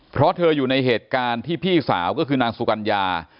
เพราะเธออยู่ในเหตุการณ์ที่พี่สาวก็คือนางสุกัญญา